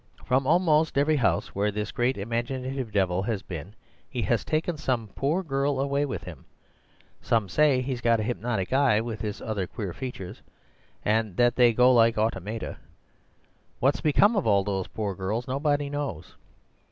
From almost every house where this great imaginative devil has been, he has taken some poor girl away with him; some say he's got a hypnotic eye with his other queer features, and that they go like automata. What's become of all those poor girls nobody knows.